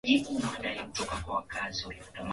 viazi vikisagwa huweza kusagwa na kupata unga